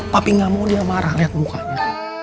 papi ngamur dia marah liat mukanya